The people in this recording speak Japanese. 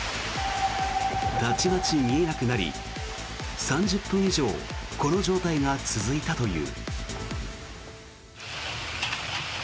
たちまち見えなくなり３０分以上この状態が続いたという。